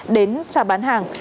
đến trả bán hàng